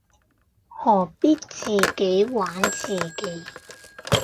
何必自己玩自己